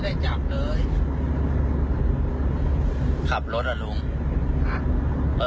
ขับรถอ่ะลุงห้ะเออขับรถอ่ะพี่ขับรถเถอะมันจับอะไร